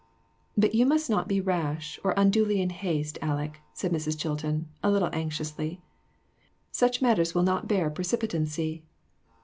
" But you must not be rash, or unduly in haste, Aleck," said Mrs. Chilton, a little anxiously. "Such matters will not bear precipitancy."